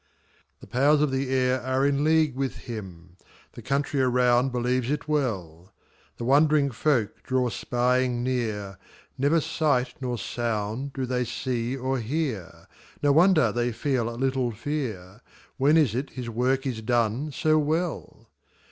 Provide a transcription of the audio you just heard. The powers of the air are in league with him; The country around believes it well; The wondering folk draw spying near; Never sight nor sound do they see or hear; No wonder they feel a little fear; When is it his work is done so well?